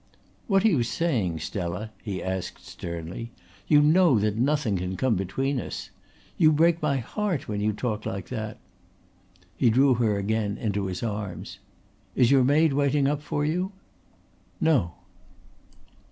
"What are you saying, Stella?" he asked sternly. "You know that nothing can come between us. You break my heart when you talk like that." He drew her again into his arms. "Is your maid waiting up for you?" "No."